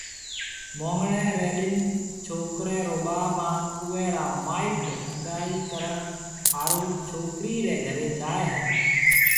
مونگڻيَ ريَ ڏن ڇوڪرَي رو ٻاپ ھان اُوئيَ را مائيٽ ھگائي ڪرڻ ھارو ڇوڪرِي رَي گھرَي جائيَ ھيََََ